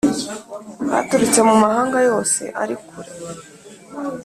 baturutse mu mahanga yose ari kure